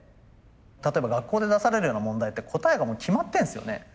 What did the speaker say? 例えば学校で出されるような問題って答えがもう決まってるんですよね。